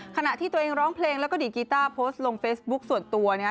ขณะที่ตัวเองร้องเพลงแล้วก็ดีดกีต้าโพสต์ลงเฟซบุ๊คส่วนตัวนะฮะ